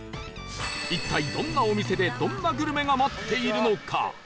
一体どんなお店でどんなグルメが待っているのか